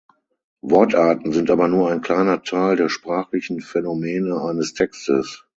Wortarten sind aber nur ein kleiner Teil der sprachlichen Phänomene eines Textes.